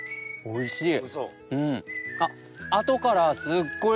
おいしい。